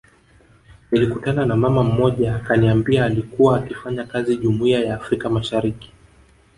Nilikutana na mama mmoja akaniambia alikua akifanya kazi jumuiya ya afrika mashariki